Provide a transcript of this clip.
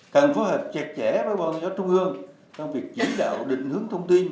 cần phối hợp chặt chẽ với bọn nhóm trung hương trong việc diễn đạo định hướng thông tin